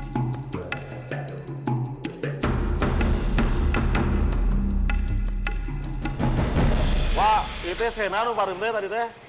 mbak ini keren banget ya tadi